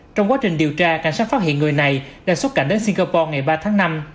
trong quá trình điều tra cảnh sát phát hiện người này đã xuất cảnh đến singapore ngày ba tháng năm